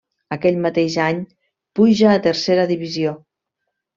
Aquell mateix any puja a Tercera Divisió.